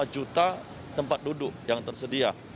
lima juta tempat duduk yang tersedia